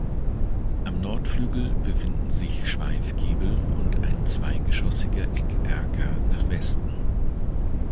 Am Nordflügel befinden sich Schweifgiebel und ein zweigeschossiger Eckerker nach Westen.